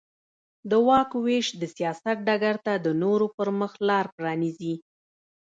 د واک وېش د سیاست ډګر ته د نورو پرمخ لار پرانېزي.